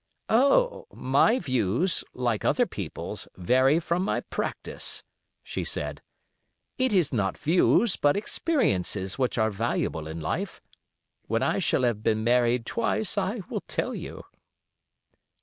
"Oh, my views, like other people's, vary from my practice," she said. "It is not views, but experiences, which are valuable in life. When I shall have been married twice I will tell you."